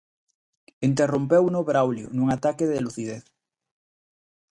Interrompeuno Braulio, nun ataque de lucidez.